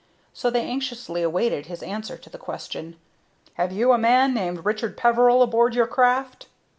So they anxiously awaited his answer to the question: "Have you a man named Richard Peveril aboard your craft?"